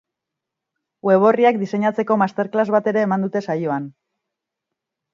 Web orriak diseinatzeko master class bat ere eman dute saioan.